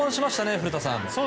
古田さん。